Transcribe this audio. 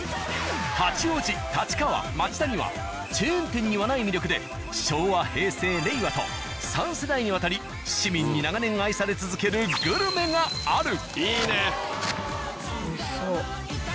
八王子立川町田にはチェーン店にはない魅力で昭和平成令和と３世代にわたり市民に長年愛され続けるグルメがある。